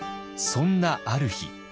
そんなある日。